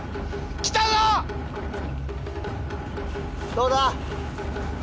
どうだ？